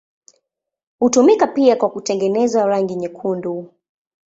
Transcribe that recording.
Hutumika pia kwa kutengeneza rangi nyekundu.